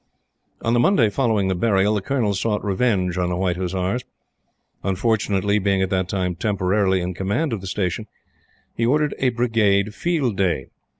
On the Monday following the burial, the Colonel sought revenge on the White Hussars. Unfortunately, being at that time temporarily in Command of the Station, he ordered a Brigade field day.